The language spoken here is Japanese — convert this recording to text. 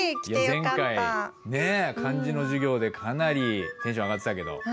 前回漢字の授業でかなりテンション上がってたけど。